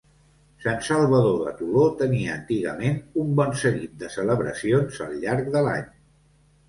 Sant Salvador de Toló tenia antigament un bon seguit de celebracions al llarg de l'any.